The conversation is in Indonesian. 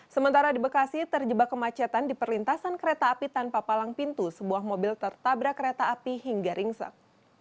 sementara di bekasi terjebak kemacetan di perlintasan kereta api tanpa palang pintu sebuah mobil tertabrak kereta api hingga ringsek